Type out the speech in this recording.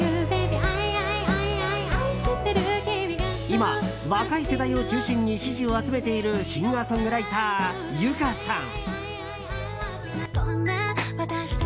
今、若い世代を中心に支持を集めているシンガーソングライター有華さん。